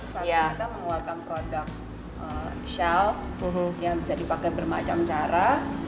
saat kita mengeluarkan produk shell yang bisa dipakai bermacam cara